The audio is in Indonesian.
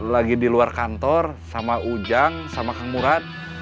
lagi di luar kantor sama ujang sama kang murad